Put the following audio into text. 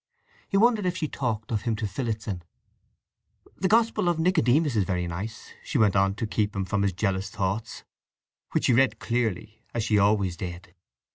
He wondered if she talked of him to Phillotson. "The Gospel of Nicodemus is very nice," she went on to keep him from his jealous thoughts, which she read clearly, as she always did.